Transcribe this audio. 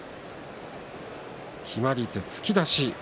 決まり手は突き出し。